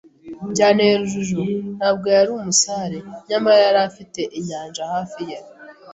byanteye urujijo. Ntabwo yari umusare, nyamara yari afite inyanja hafi ye.